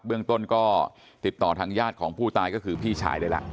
เรื่องต้นก็ติดต่อทางญาติของผู้ตายก็คือพี่ชายได้แล้ว